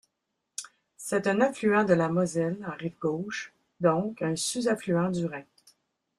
C'est un affluent de la Moselle en rive gauche, donc un sous-affluent du Rhin.